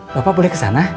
bapak boleh kesana